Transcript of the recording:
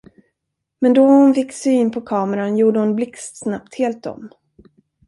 Men då hon fick syn på kameran, gjorde hon blixtsnabbt helt om.